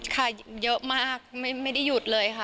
ค่ะเยอะมากไม่ได้หยุดเลยค่ะ